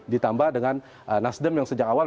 ditambah dengan nasdem yang sejak awal